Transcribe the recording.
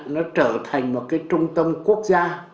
nó trở thành một cái trung tâm quốc gia